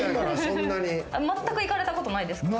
全く行かれたことないですか？